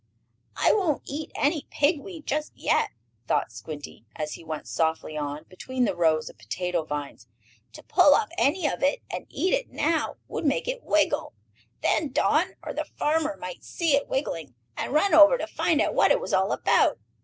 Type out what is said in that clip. "I won't eat any pig weed just yet," thought Squinty, as he went softly on between the rows of potato vines. "To pull up any of it, and eat it now, would make it wiggle. Then Don or the farmer might see it wiggling, and run over to find out what it was all about.